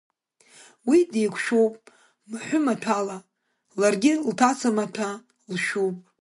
Уи деиқәшәоуп маҳәы маҭәала, ларгьы лҭаца маҭәа лшәуп.